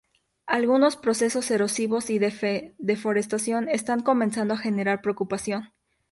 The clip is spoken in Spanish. Algunos procesos erosivos y de deforestación están comenzando a generar preocupación.